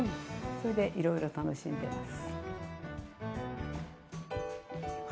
それでいろいろ楽しんでます。